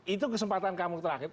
itu kesempatan kamu terakhir